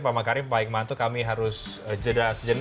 pak makarim pak hikmah itu kami harus jeda sejenis